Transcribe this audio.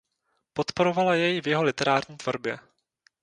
Podporovala jej v jeho literární tvorbě.